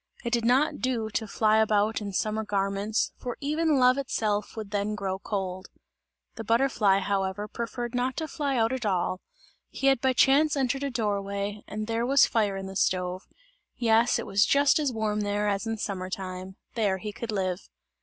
It did not do to fly about in summer garments, for even love itself would then grow cold. The butterfly however preferred not to fly out at all; he had by chance entered a door way, and there was fire in the stove yes, it was just as warm there, as in summer time; there he could live.